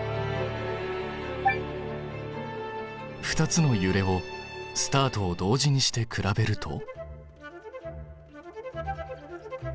２つのゆれをスタートを同時にして比べると？